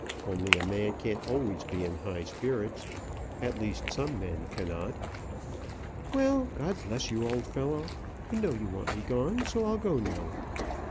Only a man can't always be in high spirits. At least, some men cannot." "Well, God bless you, old fellow! I know you want me gone; so I'll go now.